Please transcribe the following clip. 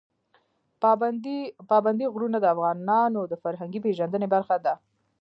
پابندی غرونه د افغانانو د فرهنګي پیژندنې برخه ده.